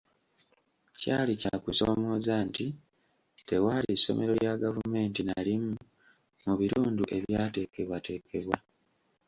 Kyali kya kusomooza nti tewaali ssomero lya gavumenti na limu mu bitundu ebyateekebwateekebwa.